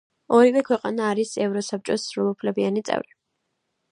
ორივე ქვეყანა არის ევროსაბჭო სრულუფლებიანი წევრი.